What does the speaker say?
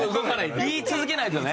言い続けないとね。